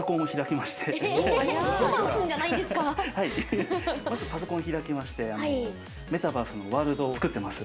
まずパソコンを開きましてメタバースのワールドを作ってます。